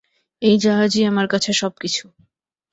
এই জাহাজই আমার কাছে সবকিছু।